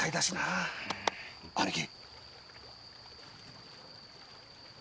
兄貴！